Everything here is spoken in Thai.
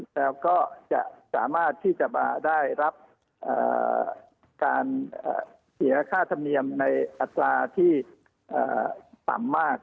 แล้วก็จะสามารถที่จะมาได้รับการเสียค่าธรรมเนียมในอัตราที่ต่ำมาก